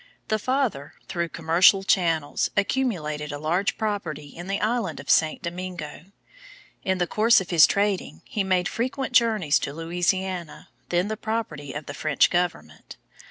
The father, through commercial channels, accumulated a large property in the island of St. Domingo. In the course of his trading he made frequent journeys to Louisiana, then the property of the French government.